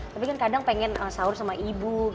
tapi kan kadang pengen sahur sama ibu